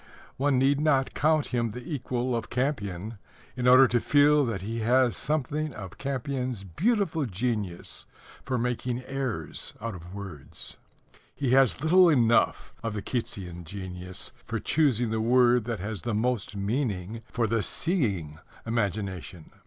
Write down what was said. One need not count him the equal of Campion in order to feel that he has something of Campion's beautiful genius for making airs out of words. He has little enough of the Keatsian genius for choosing the word that has the most meaning for the seeing imagination.